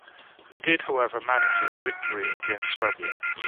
They did however manage a victory against Serbia.